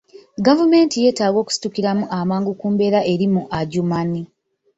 Gavumenti yeetaaga okusitukiramu amangu ku mbeera eri mu Adjumani